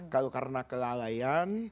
kalau karena kelalaian